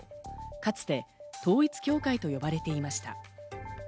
かつて統一教会と呼ばれていました。